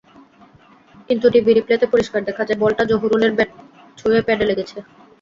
কিন্তু টিভি রিপ্লেতে পরিষ্কার দেখা যায়, বলটা জহুরুলের ব্যাট ছুঁয়ে প্যাডে লেগেছে।